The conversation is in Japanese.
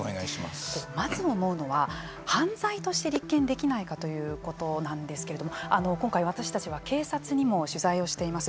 まず思うのは犯罪として立件できないかということなんですけれども今回私たちは警察にも取材をしています。